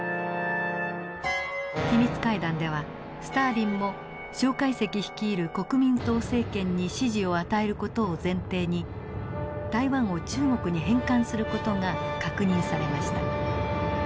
秘密会談ではスターリンも介石率いる国民党政権に支持を与える事を前提に台湾を中国に返還する事が確認されました。